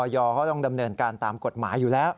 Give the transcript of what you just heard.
เขาต้องดำเนินการตามกฎหมายอยู่แล้ว